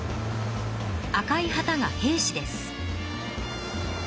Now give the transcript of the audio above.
赤い旗が平氏です。